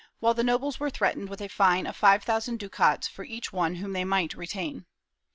II] VALENCIA 365 the nobles were threatened with a fine of five thousand ducats for each one whom they might retain.